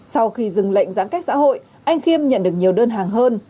sau khi dừng lệnh giãn cách xã hội anh khiêm nhận được nhiều đơn hàng hơn